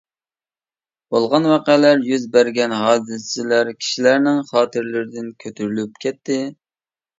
بولغان ۋەقەلەر، يۈز بەرگەن ھادىسىلەر كىشىلەرنىڭ خاتىرىلىرىدىن كۆتۈرۈلۈپ كەتتى.